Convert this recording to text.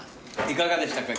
いかがでしたか？